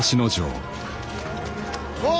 おう！